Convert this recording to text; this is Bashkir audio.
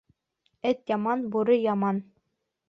Эт яман, бүре яман